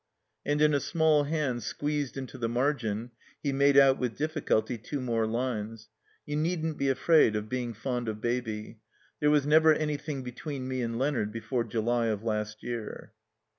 And in a small hand squeezed into the mafgin he made out with difficulty two more lines. "You needn't be afraid of being fond of Baby. There Was never anjrthing between me and Leonard before July of last year."